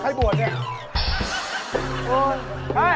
ใครบ่วนเนี่ย